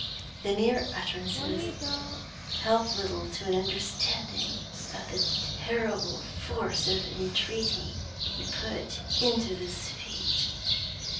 The mere utterances help little to an understanding of the terrible force of entreaty he put into this speech.